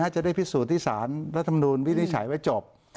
จะได้พิสูจน์ที่สารรัฐมนูลวินิจฉัยไว้จบ